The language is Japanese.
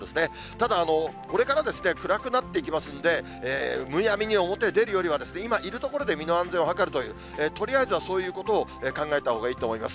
ただ、これからですね、暗くなっていきますので、むやみに表へ出るよりは、今、いる所で身の安全を図るという、とりあえずはそういうことを考えたほうがいいと思います。